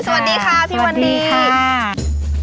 สวัสดีค่ะพี่วันดีค่ะ